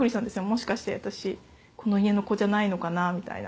「もしかして私この家の子じゃないのかな」みたいな。